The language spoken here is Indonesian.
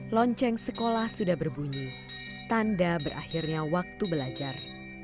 lonceng sekolah sudah berbunyi tanda berakhirnya waktu belajar